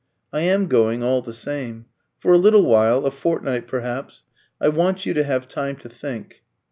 "I am going, all the same. For a little while a fortnight perhaps. I want you to have time to think."